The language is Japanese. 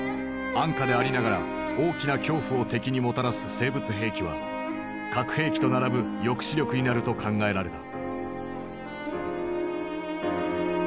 安価でありながら大きな恐怖を敵にもたらす生物兵器は核兵器と並ぶ抑止力になると考えられた。